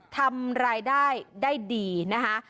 ทำรายได้ได้ดีนะคะ